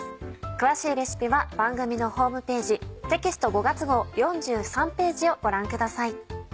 詳しいレシピは番組のホームページテキスト５月号４３ページをご覧ください。